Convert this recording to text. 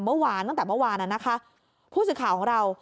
เมื่อวานตั้งแต่เมื่อวานอ่ะนะคะผู้สื่อข่าวของเรา